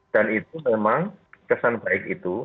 dan itu memang kesan baik itu